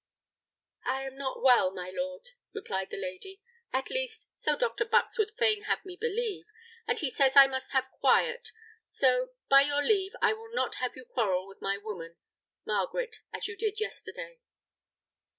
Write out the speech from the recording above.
"I am not well, my lord," replied the lady, "at least, so Dr. Butts would fain have me believe, and he says I must have quiet; so, by your leave, I will not have you quarrel with my woman, Margaret, as you did yesterday."